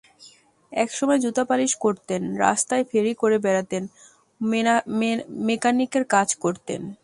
একসময় জুতা পালিশ করতেন, রাস্তায় ফেরি করে বেড়াতেন, মেকানিকের কাজ করেছেন।